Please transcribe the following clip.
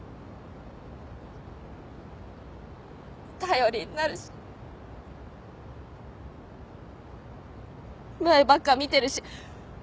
頼りになるし前ばっか見てるし。